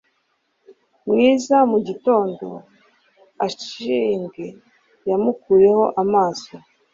mwiza mugitondo. achieng 'yamukuyeho amaso